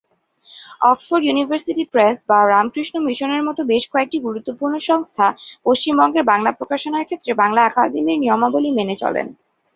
Oxford University Press বা রামকৃষ্ণ মিশনের মতো বেশ কয়েকটি গুরুত্বপূর্ণ সংস্থা পশ্চিমবঙ্গে বাংলা প্রকাশনার ক্ষেত্রে বাংলা আকাদেমির নিয়মাবলি মেনে চলেন।